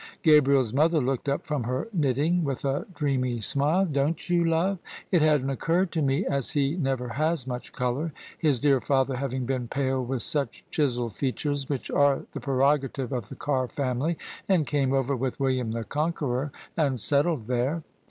Gabriel's mother looked up from her knitting with a dreamy smile. "Don't you, love? It hadn't occurred to me, as he never has much colour, his dear father having been pale with such chiselled features, which are the prerogative of the Carr family and came over with William the Con queror and settled there.